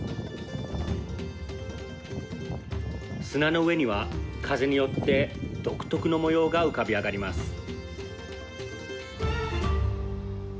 砂の上には風によって独特の模様が浮かび上がります。